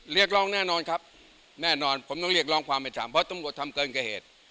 เรียกร้องแน่นอนครับแน่นอนผมต้องเรียกร้องความเป็นธรรมเพราะตำรวจทำเกินกว่าเหตุ